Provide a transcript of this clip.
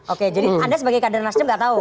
oke jadi anda sebagai kader nasdem gak tau